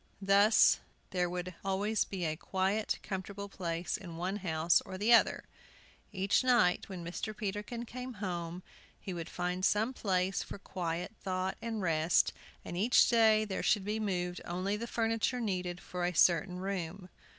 Thus there would always be a quiet, comfortable place in one house or the other. Each night, when Mr. Peterkin came home, he would find some place for quiet thought and rest, and each day there should be moved only the furniture needed for a certain room.